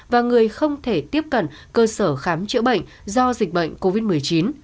và người không thể tiếp cận cơ sở khám chữa bệnh do dịch bệnh covid một mươi chín